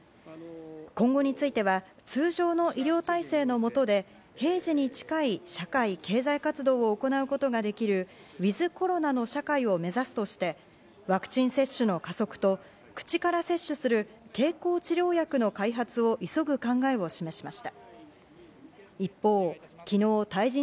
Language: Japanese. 今後については、通常の医療体制のもとで平時に近い社会経済活動を行うことができるｗｉｔｈコロナの社会を目指すとして、ワクチン接種の加速と口から摂取する経口治療薬の開発を急ぐ考えを示しました。